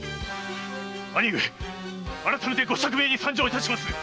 兄上あらためてご釈明に参上いたしまする！